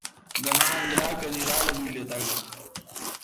Demà en Drac anirà a la biblioteca.